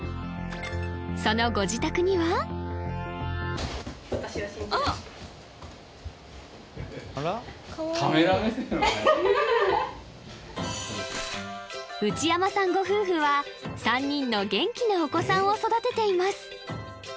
そのご自宅にはあっ内山さんご夫婦は３人の元気なお子さんを育てています